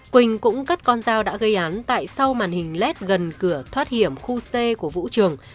quỳnh cũng cất con dao đã gây án tại sau màn hình led gần cửa thoát hiểm khu c của vũ trường